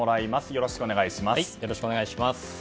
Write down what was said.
よろしくお願いします。